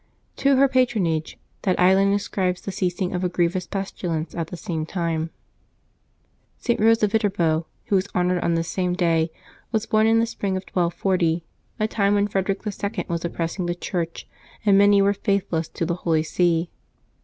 To her patronage that island ascribes the ceasing of a grievous pestilence at the same time. St. Eose of Yiterbo, who is honored on this same day, was born in the spring of 1240, a time when Frederick IL was oppressing the Church and many were faithless to the Holy See.